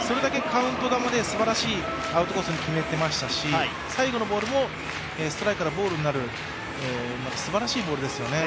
それだけカウント球ですばらしいアウトコースに決めてましたし最後のボールもストライクからボールになるすばらしいボールですよね